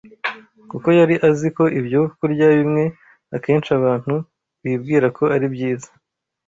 kuko yari azi ko ibyo kurya bimwe akenshi abantu bibwira ko ari byiza